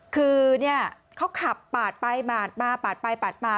คือเขาขับปาดไปปาดมาปาดไปปาดมา